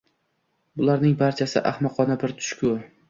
bularning barchasi — ahmoqona bir tush-ku